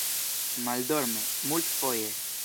Maldorme, multfoje.